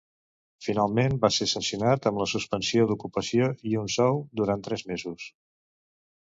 Finalment va ser sancionat amb la suspensió d'ocupació i sou durant tres mesos.